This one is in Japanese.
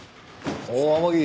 おう天樹